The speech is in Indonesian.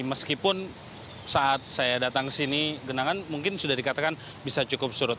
meskipun saat saya datang ke sini genangan mungkin sudah dikatakan bisa cukup surut